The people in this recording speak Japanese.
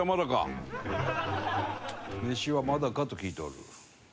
飯はまだか？と聞いておる。